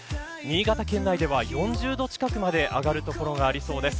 新潟県内では４０度近くまで上がる所がありそうです。